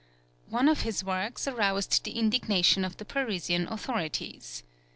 One of his works aroused the indignation of the Parisian authorities.